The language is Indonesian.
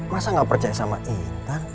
masa gak percaya sama intan